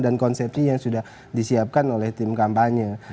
dan konsepsi yang sudah disiapkan oleh tim kampanye